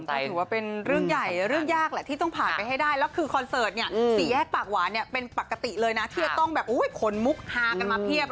ก็ถือว่าเป็นเรื่องใหญ่เรื่องยากแหละที่ต้องผ่านไปให้ได้แล้วคือคอนเสิร์ตเนี่ยสี่แยกปากหวานเนี่ยเป็นปกติเลยนะที่จะต้องแบบขนมุกฮากันมาเพียบ